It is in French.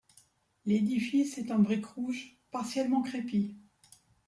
L'édifice est en briques rouges et partiellement crépie.